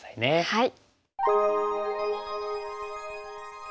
はい。